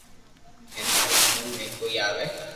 ھين ماري ھمج ۾ ڪوئي آوي